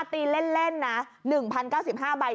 ตีเล่นนะ๑๐๙๕ใบ